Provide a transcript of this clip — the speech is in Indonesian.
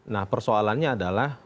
nah persoalannya adalah